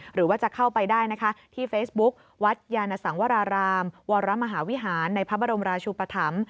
หรือว่าจะเข้าไปได้นะคะที่เฟซบุ๊กวัดยานสังวรารามวรมหาวิหารในพระบรมราชุปธรรม